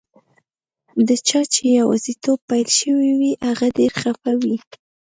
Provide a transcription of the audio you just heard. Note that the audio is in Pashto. د چا چي یوازیتوب پیل شوی وي، هغه ډېر خفه وي.